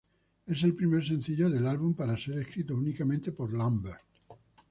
Es el primer sencillo del álbum para ser escrita únicamente por Lambert.